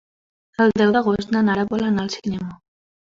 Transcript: El deu d'agost na Nara vol anar al cinema.